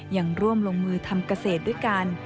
ยังร่วมลงมือทำเกษตรด้วยกัน